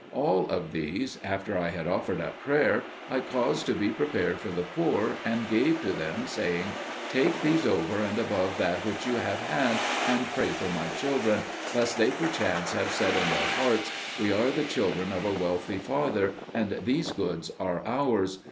All of these, after I had offered up prayer, I caused to be prepared for the poor, and gave to them, saying, "Take these over and above that which you have had, and pray for my children, lest they perchance have said in their hearts, 'We are the children of a wealthy father, and these goods are ours.